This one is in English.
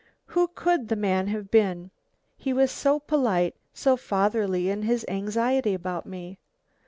"Who could the man have been? He was so polite, so fatherly in his anxiety about me.